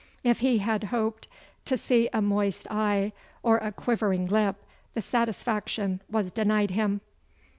If he had hoped to see a moist eye or a quivering lip, the satisfaction was denied him.